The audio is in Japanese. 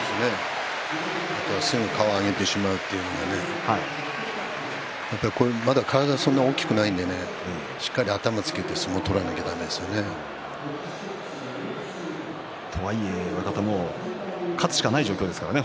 あとすぐに顔を上げてしまうのでまだ体がそんなに大きくないのでしっかり頭をつけて相撲をとはいえ勝つしかない状況ですからね